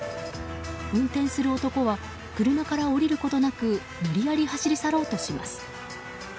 運転する男は車から降りることなく無理やり走り去ろうとします。